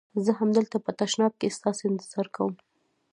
زه همدلته په تشناب کې ستاسي انتظار کوم.